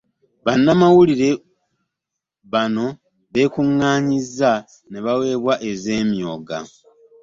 Bannamawulire bano beekungaanyizza ne baweebwa ez'emyoga.